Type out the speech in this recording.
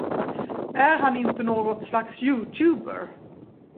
Är inte han något slags youtuber?